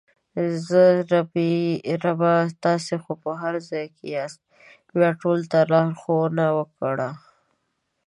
زه: ربه تاسې خو په هر ځای کې یاست بیا ټولو ته لارښوونه وکړه!